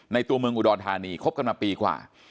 ตัวเมืองอุดรธานีคบกันมาปีกว่า